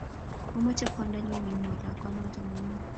Omoche kwandanyu kimwa lakwanoto mining